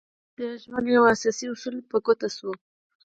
د ژوند يو اساسي اصول په ګوته شوی.